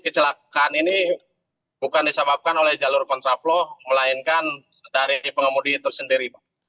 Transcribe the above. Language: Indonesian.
kecelakaan ini bukan disebabkan oleh jalur kontraplo melainkan dari pengemudi itu sendiri pak